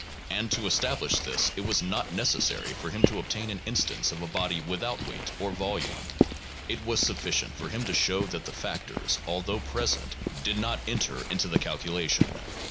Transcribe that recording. And to establish this it was not necessary for him to obtain an instance of a body without weight or volume ; it was sufficient for him to show that the factors, although present, did not enter into the calculation" (p.